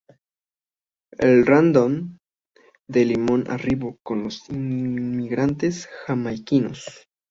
El rondón de Limón arribó con los inmigrantes jamaiquinos.